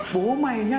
bố mày nhá